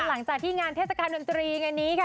หลังจากที่งานเทศกาลดนตรี